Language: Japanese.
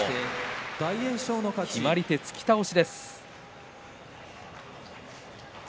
決まり手は突き倒しです。